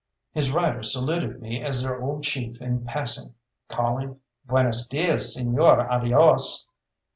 His riders saluted me as their old chief in passing, calling, "Buenas dias señor, adios!"